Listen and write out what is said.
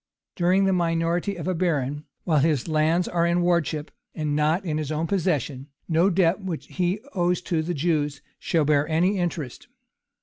During the minority of a baron, while his lands are in wardship, and are not in his own possession, no debt which he owes to the Jews shall bear any interest.